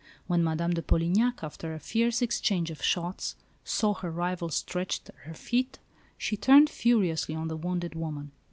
When Madame de Polignac, after a fierce exchange of shots, saw her rival stretched at her feet, she turned furiously on the wounded woman.